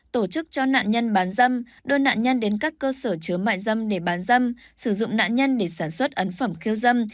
tổ chức cho nạn nhân bán dâm đưa nạn nhân đến các cơ sở chứa mại dâm để bán dâm sử dụng nạn nhân để sản xuất ấn phẩm khiêu dâm